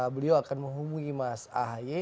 beliau akan menghubungi mas ahy